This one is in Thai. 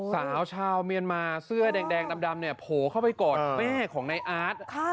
สาวชาวเมียนมาเสื้อแดงดำเนี่ยโผล่เข้าไปกอดแม่ของนายอาร์ต